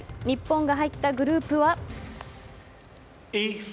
日本が入ったグループは。